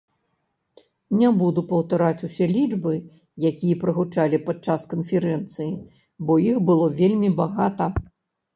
Не буду паўтараць усе лічбы, якія прагучалі падчас канферэнцыі, бо іх было вельмі багата.